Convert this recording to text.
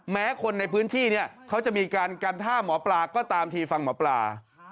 แม้คนในพื้นที่เนี่ยเขาจะมีการกันท่าหมอปลาก็ตามทีฟังหมอปลา